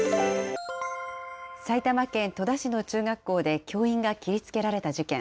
埼玉県戸田市の中学校で教員が切りつけられた事件。